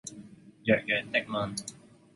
弱弱的問